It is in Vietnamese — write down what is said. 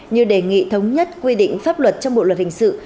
như đề nghị thống nhất quy định pháp luật trong bộ luật hình sự